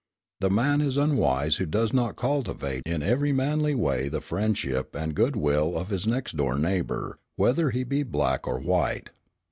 The man is unwise who does not cultivate in every manly way the friendship and good will of his next door neighbour, whether he be black or white.